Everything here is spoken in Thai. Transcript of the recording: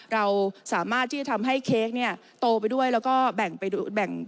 เราสามารถที่จะทำให้เค้กเนี่ยโตไปด้วยแล้วก็แบ่ง